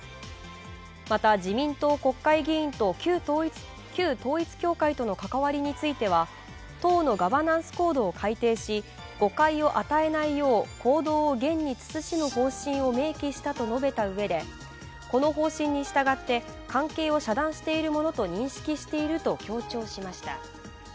また自民党国会議員と旧統一教会との関わりについては党のガバナンスコードを改定し、誤解を与えないよう行動を厳に慎む方針を明記したと述べたうえでこの方針に従って関係を遮断しているものと認識していると強調しました。